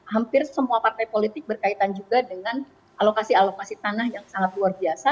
hampir semua partai politik berkaitan juga dengan alokasi alokasi tanah yang sangat luar biasa